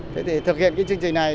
thế thì thực hiện cái chương trình này